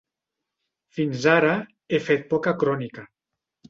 Fins ara, he fet poca crònica.